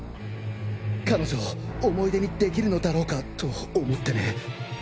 彼女を思い出にできるのだろうかと思ってね。